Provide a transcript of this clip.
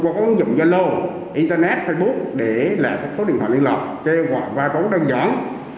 có ứng dụng giao lô internet facebook để lại các số điện thoại liên lạc chế hoạch vay tốn đơn giản